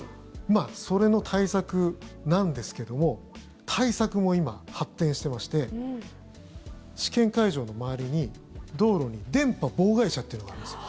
それの対策なんですけども対策も今、発展していまして試験会場の周りに道路に電波妨害車っていうのがあるんですよ。